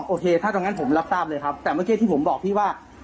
โอเคถ้าตรงนั้นผมรับทราบเลยครับแต่เมื่อกี้ที่ผมบอกพี่ว่า